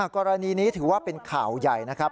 กรณีนี้ถือว่าเป็นข่าวใหญ่นะครับ